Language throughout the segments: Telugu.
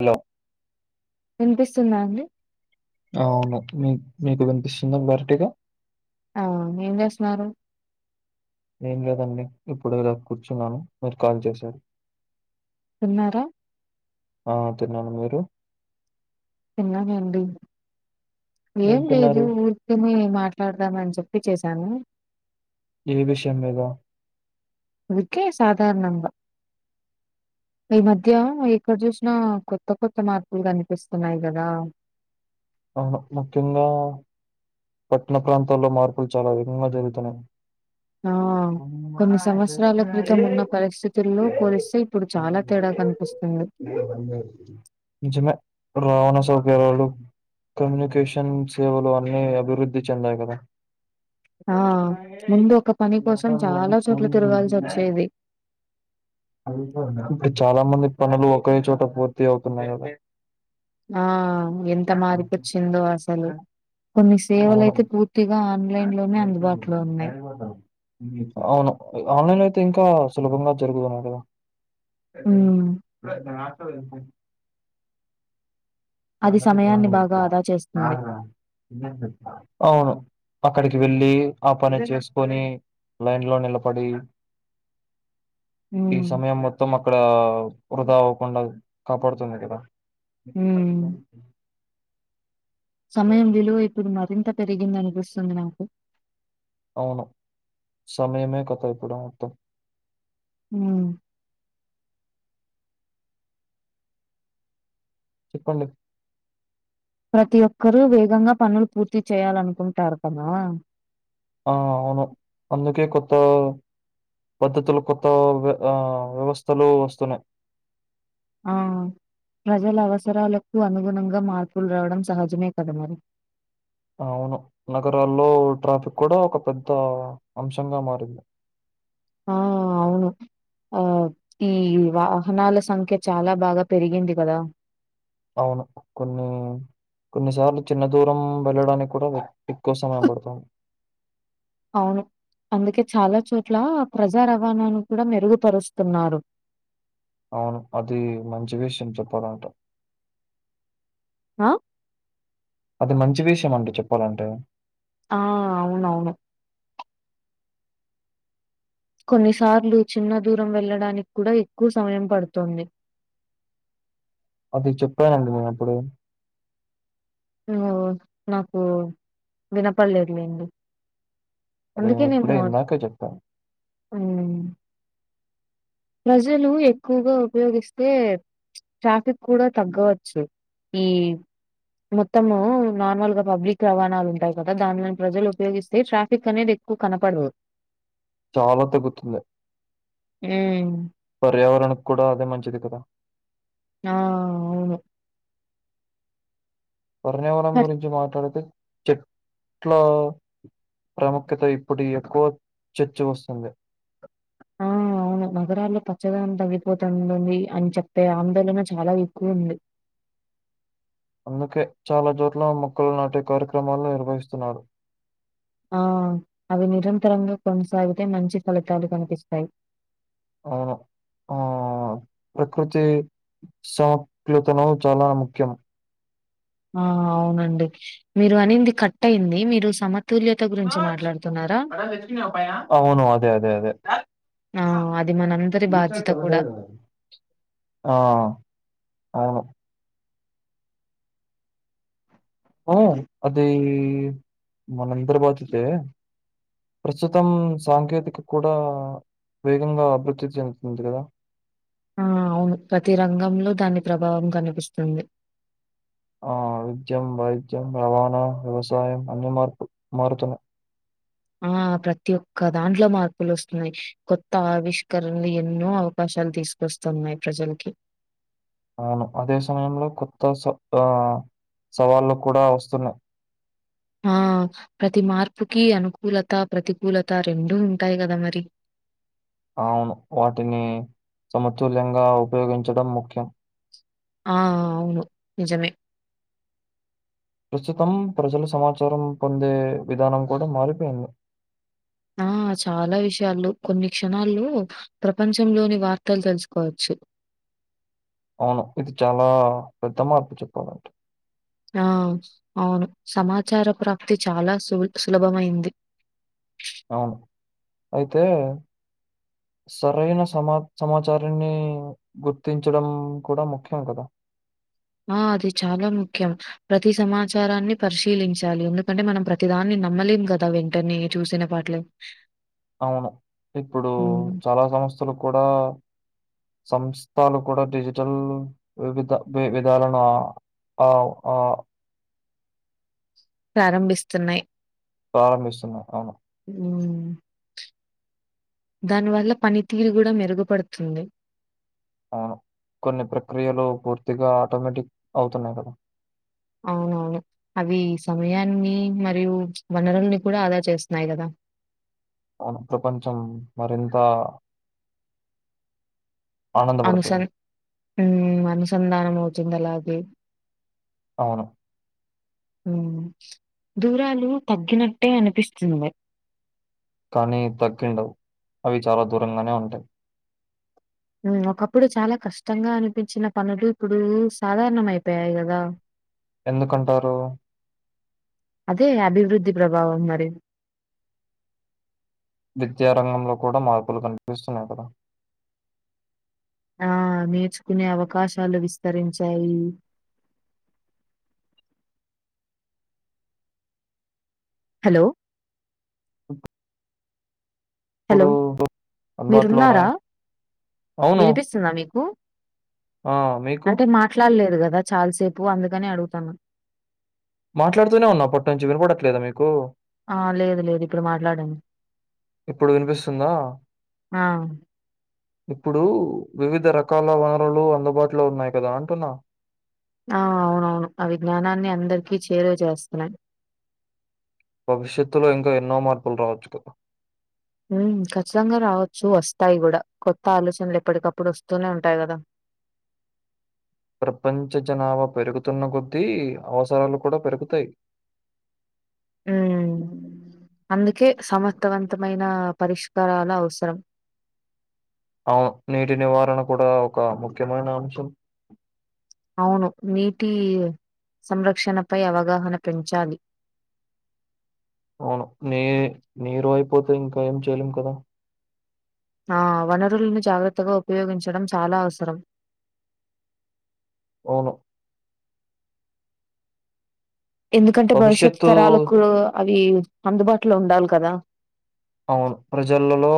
హలో వినిపిస్తుందా అండి అ అవును మీ మీకు వినిపిస్తుంద క్లారిటీగా ఆ ఏం చేస్తున్నారు ఏం లేదండి ఇప్పుడు కూర్చున్నాను, మీరు కాల్ చేసారు. తిన్నార? ఆ తిన్నాను మీరు? తన్నానండి, ఏం లేదు ఊర్ కనే మాట్లాడదామని చెప్పి చేశాను. ఏ విషయం మీద అదుకే సాధారణంగా ఈ మధ్య ఎక్కడ చూసినా కొత్త కొత్త మార్పులు కనిపిస్తున్నాయి కదా అవును ముఖ్యంగా పట్టణ ప్రాంతాల్లో మార్పులు చాలా వేగంగా జరుగుతున్నయి ఆ కొన్ని సంవత్సరాల క్రితం ఏ, ఉన్న పరిస్థితుల్లో ఏ, పోలిస్తే ఇప్పుడు చాలా తేడా కనిపిస్తుంది. కొంచెమే రవాణా సౌకర్యాలు, కమ్యూనికేషన్ సేవలు అన్ని అభి వృద్ధి చెందాయి కదా ఆ ముందు ఒక పని కోసం చాలా చోట్ల తిరగాల్సి వచ్చేది చాలా మంది పనులు ఒకే చోట పూర్తి అవుతున్నాయి కాని ఆ ఎంత మారిపచ్చిందో అసలు, కొన్ని అవును సేవలయితే పూర్ పూర్తిగా ఆన్లైన్ లోనే అందుబాటులో ఉన్నాయి. [inaudible] అవును. ఆన్లైన్ అయితే ఇంకా సులభంగా జరుగుతున్నాయి అక్కడ అ హ్మ్ ప్ర [inaudible] అది సమయాన్ని బాగా ఆదా చేస్తుంది. అవును. అక్కడికి వెళ్ళి, ఆ పని చేసుకొని, లైన్ లో నిలబడి ఈ హ్మ్. సమయం మో మొత్తం అక్కడా వృధా అవ్వకుండా కాపాడుతుంది కదా! ఉమ్ సమయం విలువ ఇప్పుడు మరింత పెరిగింది అనిపిస్తుంది నాకు అవును. సమయమే కథ ఇప్పుడు మొత్తం ఆ [inaudible] చెప్పండి. ప్రతి ఒక్కరు వేగంగా పనులు పూర్తి చేయాలనుకుంటారు కదా! ఆ అవును. అందుకే కొత్త గా పద్ధతులు కొత్త ఆ వ్యవస్థలు వస్తున్నాయి. ఆ ప్రజల అవసరాలకు అనుగుణంగా మార్పులు రావడం సహజమే కద మరి. అవును. నగరాల్లో ట్రాఫిక్ కూడా ఒక పెద్ద అంశంగా మారింది. ఆ అవును. ఆ ఈ వాహనాల సంఖ్య చాలా బాగా పెరిగింది కదా! అవును. కొన్ని కొన్నిసార్లు చిన్న దూరం వెళ్ళడానికి కూడ ఎక్కువ సమయం పడుతుంది. అవును. అందుకే చాలా చోట్ల ప్రజా రవాణాను కూడా మెరుగుపరుస్తున్నారు. అవును. అది మంచి విషయం చెప్పాలంటే ఆ అది మంచి విషయం అండి చెప్పాలంటే ఆ అవునవును. కొన్నిసార్లు చిన్న దూరం వెళ్లడానికి కూడా ఎక్కువ సమయం పడుతుంది. అది చెప్పానండి నేను అప్పుడు ను నాకు వినపడలేదులేండి. అది అందుకే నేను నేన్ ఇప్పుడే మాట్ ఇందాకే చెప్పాను. ఉ ఉ ప్రజలు ఎక్కువగా ఉపయోగిస్తే ట్రాఫిక్ కూడా తగ్గవచ్చు. ఈ ఈ మొత్తము నార్మల్గా పబ్లిక్ రవాణాలు ఉంటాయి కదా దానిలని ప్రజలు ఉపయోగిస్తే ట్రాఫిక్ అనేది ఎ కు కనపడరు చాలా తగ్గుతుంది. హ్మ్. పర్యావరణకు కూడా అదే మంచిది కదా. ఆ వర్నివరం పర్ గురించి మాట్లాడితే చెట్లా ప్రాముఖ్యత ఇప్పుడు ఎక్కువ చర్చి వస్తుంది ఆ నగరాల్లో పచ్చదనం తగ్గిపోతుంది అని చెప్పె ఆందోళన చాలా ఎక్కువ ఉంది. అందుకే చాలా చోట్ల మొక్కలు నాటే కార్యక్రమాలు నిర్వహిస్తున్నారు ఆ అవి నిరంతరంగా కొనసాగితే మంచి ఫలితాలు కనిపిస్తాయి అవును ఆ ప్రకృతి సప్లతను చాలా ముఖ్యం. ఆ అవునండి మీరు అనింది కట్ అయింది, మీరు సమ అవును అదే అదే అదే ఆ అది మనందరి ఈస బాధ్యత కూడా. [unintelligible] ఆ అవును ఓ అది మనందరి బాధ్యతే ప్రస్తుతం సాంకేతికత కూడా వేగంగా అభివృద్ధి చెందుతుంది కదా ఆ అవును ప్రతి రంగంలో దాని ప్రభావం కనిపిస్తుంది ఆ విద్య వైద్యం రవాణా వ్యవసాయం అన్ని మార్పు మారుతున్నాయి ఆ ప్రతి ఒక్క దాంట్లో మార్పులు వస్తున్నాయి కొత్త ఆవిష్కరణలు ఎన్నో అవకాశాలు తీసుకు వస్తున్నాయి ప్రజలకి అవును అదే సమయంలో కొత్త స ఆ సవాళ్ళలు కూడా వస్తున్నాయి ఆ ప్రతి మార్పుకి అనుకూలత ప్రతికూలత రెండూ ఉంటాయి కదా మరి అవును వాటిని సమతుల్యంగా ఉపయోగించడం ముఖ్యం ఆ అవును నిజమే ప్రస్తుతం ప్రజలు సమాచారం పొందే విధానం కూడా మారిపోయింది ఆ చాలా విషయాలు కొన్ని క్షణాళ్ళు ప్రపంచంలోని వార్తలు తెలుసుకోవచ్చు అవును ఇది చాలా పెద్ద మార్పు చెప్పాలంటే ఆ అవును సమాచార ప్రాప్తి చాలా సు సులభమైంది అవును అయితే సరైన సమా సమాచారాన్ని గుర్తించడం కూడా ముఖ్యం కదా ఆ అది చాలా ముఖ్యం ప్రతి సమాచారాన్ని పరిశీలించాలి ఎందుకంటే మనం ప్రతిదాన్ని నమ్మలేం కదా వెంటనే చూసిన వాటిలలో హా అవును ఇప్పుడు చాలా సంస్థలకు కూడా సంస్థలు కూడా డిజిటల్ వివిధ విధాలను ఆ అ ఆ ప్రారంభిస్తున్నాయి ప్రారంభిస్తున్నాయి అవును మ్ దాని వల్ల పనితీరు కూడా మెరుగుపడుతుంది అవును కొన్ని ప్రక్రియలు పూర్తిగా ఆటోమేటిక్ అవుతున్నాయి కదా అవునవును అవి సమయాన్ని మరియు వనరుల్ని కూడా ఆదా చేస్తున్నాయి కదా అవును ప్రపంచం మరింత అనుసం ఆనందపడుతుంది. ఉమ్ అనుసంధానం అవుతుంది అలాగే అవును మ్ దూరాలు తగ్గినట్టే అనిపిస్తుంది మరి కానీ తగ్గిండవు. అవి చాలా దూరంగానే ఉంటాయి. ఒకప్పుడు చాలా కష్టంగా అనిపించిన పనులు ఇప్పుడు సాధారణ అయిపోయాయి కదా! ఎందుకంటారు. అదే అభివృద్ధి ప్రభావం మరి విద్యారంగంలో కూడా మార్పులు కనిపిస్తున్నాయి కదా! ఆ నేర్చుకునే అవకాశాలు విస్తరించాయి. హలో! ఓక [inaudible] హలో! మీరు అందుబాటులో ఉన్నారా, ఉన్నాయి. అవును. వినిపిస్తుందా మీకు ఆ మీకు అంటే మాట్లాడలేదు కద చాలాసేపు అందుకనే అడుగుతాన మాట్లాడుతూనే ఉన్నా అప్పనుంచి వినపడట్లేదా మీకు ఆహ లేదు లేదు ఇప్పుడు మాట్లాడంను ఇప్పుడు వినిపిస్తుందా? ఆ ఇప్పుడు వివిధ రకాల వనరులు అందుబాటులో ఉన్నాయి కదా అంటున్న ఆ అవునవును ఆ విజ్ఞానాన్ని అందరికీ చేర చేస్తున్నయి భవిష్యత్తులో ఇంకా ఎన్నో మార్పులు రావచ్చు కదా ఉమ్ ఖచ్చితంగా రావచ్చు వస్తాయి కూడా కొత్త ఆలోచనలు ఎప్పటికప్పుడు వస్తూనే ఉంటయి కదా ప్రపంచ జనాభా పెరుగుతున్న కొద్దీ అవసరాలు కూడా పెరుగుతయి ఉమ్ అందుకే సమర్థవంతమైన పరిష్కారాల అవసరం అవు నీటి నివారణ కూడా ఒక ముఖ్యమైన అంశం అవును నీటి సంరక్షణ పై అవగాహన పెంచాలి అవును నీ నీరు అయిపోతే ఇంకా ఏం చేయలేం కదా ఆ వనరులను జాగ్రత్తగా ఉపయోగించడం చాలా అవసరం అవును ఎందుకంటే భవిష్యత్ భవిష్యత్తు తరాలకు అవి అందుబాటులో ఉండాలి కదా అవును ప్రజలలో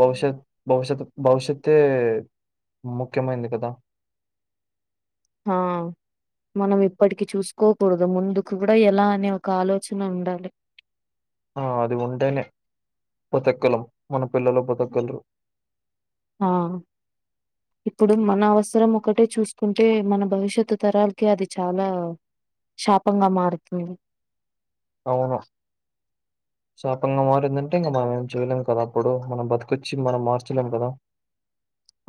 భవిష్యత్ భవిష్యత్ భవిష్యతే ముఖ్యమైంది కదా హా మనం ఇప్పటికి చూసుకోకూడదు ముందుకు కూడా ఎలా అనే ఒక ఆలోచన ఉండాలి ఆ అది ఉంటేనే బతగలం మన పిల్లలు బతగలరు ఆ ఇప్పుడు మన అవసరం ఒకటే చూసుకుంటే మన భవిష్యత్ తరాలకి అది చాలా శాపంగా మారుతుంది అవును శాపంగా మారిందంటే ఇంకా మనం ఏం చేయలేం కదా అప్పుడు మనం బతుకొచ్చి మనం మార్చలేం కద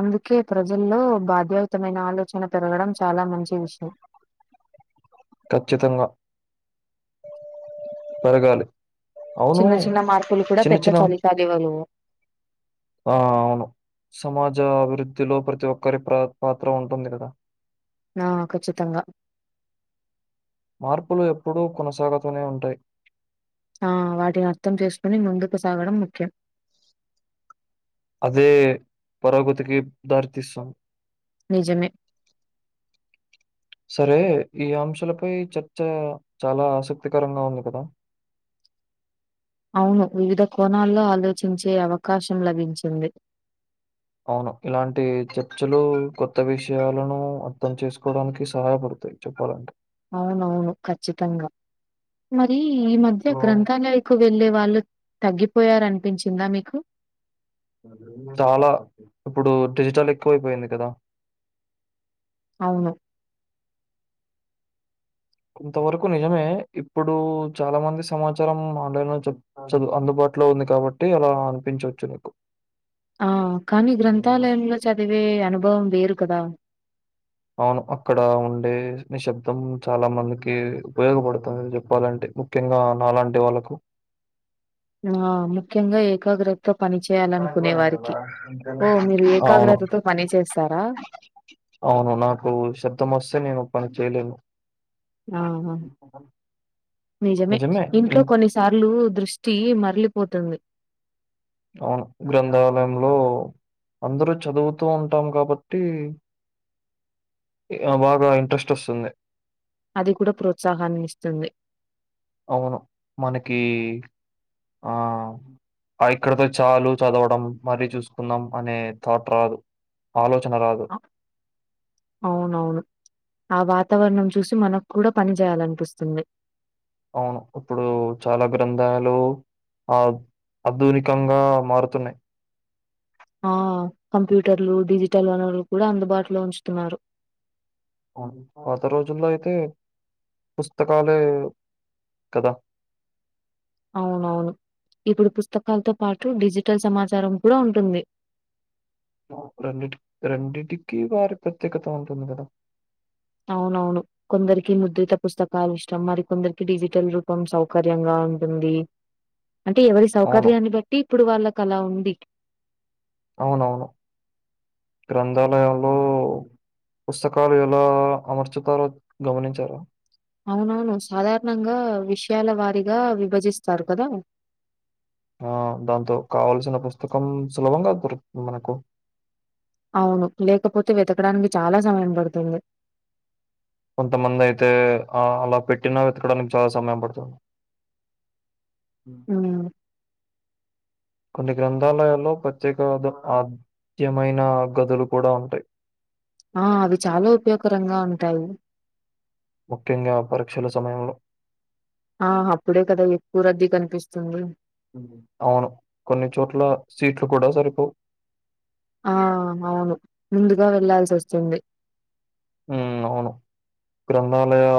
అందుకే ప్రజల్లో బాధ్యాయుతమైన ఆలోచన పెరగడం చాలా మంచి విషయ్ ఖచ్చితంగా పెరగాలి అవును. చిన్న చిన్న మార్పులు కూడా చిన్న పెద్ద చిన్న ఫలితాలీవరు ఆ అవును సమాజ అభివృద్ధిలో ప్రతి ఒక్కరి ప్ర పాత్ర ఉంటుంది కదా ఆ ఖచ్చితంగా మార్పులు ఎప్పుడూ కొనసాగుతూనే ఉంటయి ఆ వాటిని అర్థం చేసుకుని ముందుకు సాగడం ముఖ్యం అదే పురోగతికి దారితీస్తాం నిజమే సరే ఈ అంశాలపై చర్చ చాలా ఆసక్తికరంగా ఉంది కదా అవును వివిధ కోణాల్లో ఆలోచించే అవకాశం లభించింది అవును ఇలాంటి చర్చలు కొత్త విషయలను అర్థం చేసుకోవడానికి సహాయపడతయి చెప్పాలే అవునవును ఖచ్చితంగా మరి ఈ మధ్య గ్రంథాలయకు వెళ్ళలే వాళ్ళు తగ్గిపోయారనిపించిందా మీకు చాలా ఇప్పుడు డిజిటలేక్కువైపోయింది కదా అవును కొంతవరకు నిజమే ఇప్పుడు చాలా మంది సమాచారం ఆన్లైన్లో చెప్ చదువు అందుబాటులో ఉంది కాబట్టి అలా అనిపించోచ్చు నీకు ఆ కానీ గ్రంథాలయంలో చదివే అనుభవం వేరు కదా అవును అక్కడ ఉండే నిశ్శబ్దం చాలా మందికి ఉపయోగపడుతది చెప్పాలంటే ముఖ్యంగా నాలాంటి వాళ్ళకు ఆ ముఖ్యంగా ఏకాగ్రత తో పని చేయాలనుకునే వారికి ఓ మీరు అవును. ఏకాగ్రతతో పని చేస్తారా అవును నాకు శబ్దం వస్తే నేను పని చేయలేను ఆహా నిజమే ఇంట్లో కొన్ని సార్లు దృష్టి మరలిపోతుంది అవును గ్రంథాలయంలో అందరూ చదువుతూ ఉంటాం కాబట్టి బాగా ఇంట్రెస్ట్ వస్తుంది అది కూడా ప్రోత్సాహాన్ని ఇస్తుంది అవును మనకి ఆ ఆ ఇక్కడతో చాలు చదవడం మరీ చూసుకుందాం అనే థాట్ రాదు ఆలోచన రాదు అ అవునవును ఆ వాతావరణం చూసి మనకు కూడా పని చేయాలనిపిస్తుంది అవును ఇప్పుడు చాలా గ్రంథాలు ఆ ఆద్దునికంగా మారుతున్నాయి ఆ కంప్యూటర్లు డిజిటల్ వనరులు కూడా అందుబాటులో ఉంచుతున్నారు అవును పాత రోజుల్లో అయితే పుస్తకాలే కదా అవునవును ఇప్పుడు పుస్తకాలతో పాటు డిజిటల్ సమాచారం కూడా ఉంటుంది రండి రెండింటికి వారి ప్రత్యేకత ఉంటుంది కదా అవునవును కొందరికి ముద్రిత పుస్తకాలు ఇష్టం మరి కొందరికి డిజిటల్ రూపం సౌకర్యంగా ఉంటుంది అంటే ఎవరి అవును. సౌకర్యాన్ని బట్టి ఇప్పుడు వాళ్ళకు అలా ఉంది అవునవును గ్రంథాలయంలో పుస్తకాలు ఎలా అమర్చుతారో గమనించారా అవునవును సాధారణంగా విషయాల వారిగా విభజిస్తారు కదా ఆ దాంతో కావల్సిన పుస్తకం సులభం గా దొరుకుతుంది మనకు అవును లేకపోతే వెతకడానికి చాలా సమయం పడుతుంది కొంతమంది అయితే ఆ అలా పెట్టినా వెతకడానికి చాలా సమయం పడుతుంది హ్మ్. కొన్ని గ్రంథాలయాల్లో ప్రత్యేక ముఖ్యమైన గదులు కూడా ఉంటాయి ఆ అవి చాలా ఉపయోగకరంగా ఉంటాయి ముఖ్యంగా పరీక్షల సమయంలో ఆ అప్పుడే కదా ఎక్కువ రద్దీ కనిపిస్తుంది అవును కొన్ని చోట్ల సీట్లు కూడా సరిపోవు ఆ అవును ముందుగా వెళ్లాల్సి వస్తుంది ఉమ్ అవును గ్రంథాలయ